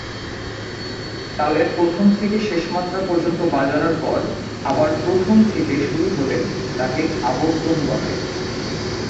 তালের প্রথম থেকে শেষ মাত্রা পর্যন্ত বাজানোর পর আবার প্রথম থেকে শুরু হলে তাকে আবর্তন বলে।